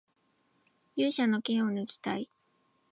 勇者の剣をぬきたい